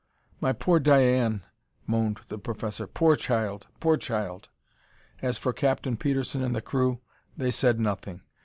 "My poor Diane!" moaned the professor. "Poor child. Poor child!" As for Captain Petersen and the crew, they said nothing.